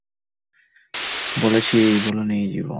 আমি বলিতেছি জীববলি, তুমি শুনিতেছ নরবলি।